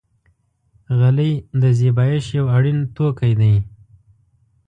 غلۍ د زېبایش یو اړین توکی دی.